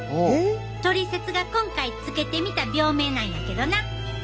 「トリセツ」が今回付けてみた病名なんやけどな！